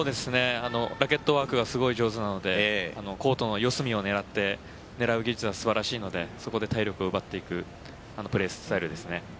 ラケットワークがすごい上手なのでコートの四隅を狙う技術が素晴らしいのでそこで体力を奪っていくプレースタイルですね。